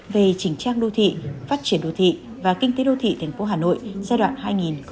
về chỉnh trang đô thị phát triển đô thị và kinh tế đô thị thành phố hà nội giai đoạn hai nghìn hai mươi một hai nghìn hai mươi